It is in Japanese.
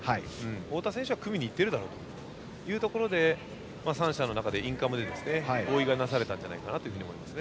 太田選手は組みに行っているだろうというところで３者の中でインカムで合意がなされたんじゃないかなと思いますね。